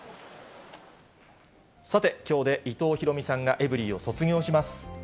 さて、きょうで伊藤大海さんがエブリィを卒業します。